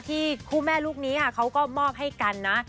คู่แม่ลูกนี้ค่ะเขาก็มอบให้กันนะ